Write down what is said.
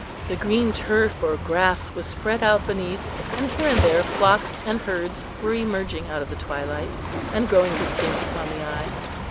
The green turf or grass was spread out beneath, and here and there flocks and herds were emerging out of the twilight, and growing distinct upon the eye.